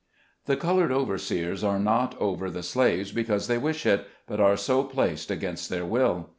|HE colored overseers are not over the slaves because they wish it, but are so placed against their will.